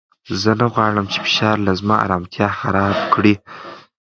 زه نه غواړم چې فشار زما ارامتیا خراب کړي.